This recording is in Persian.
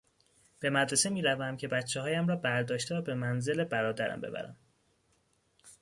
به مدرسه میروم که بچههایم را برداشته و به منزل برادرم ببرم.